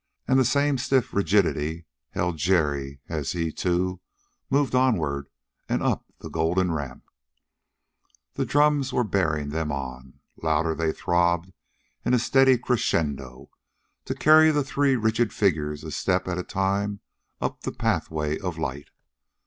And the same stiff rigidity held Jerry as he, too, moved onward and up the golden ramp. The drums were bearing them on. Louder they throbbed in a steady crescendo, to carry the three rigid figures a step at a time up the pathway of light.